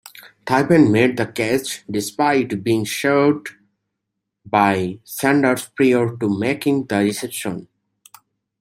Thigpen made the catch despite being shoved by Sanders prior to making the reception.